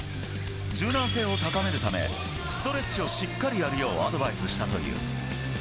柔軟性を高めるため、ストレッチをしっかりやるようアドバイスしたという。